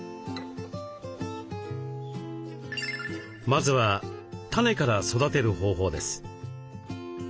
まずはタネから育てる方法です。